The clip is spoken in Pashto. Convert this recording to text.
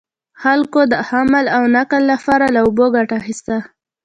خلکو د حمل او نقل لپاره له اوبو ګټه اخیسته.